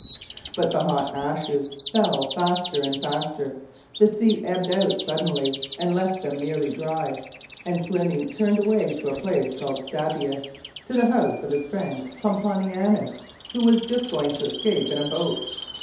But the hot ashes fell faster and faster; the sea ebbed out suddenly, and left them nearly dry, and Pliny turned away to a place called Stabiae, to the house of his friend Pomponianus, who was just going to escape in a boat.